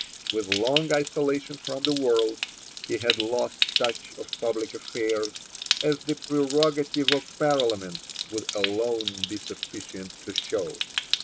With long isolation from the world, he had lost touch of public affairs, as The Prerogative of Parliament would alone be sufficient to show.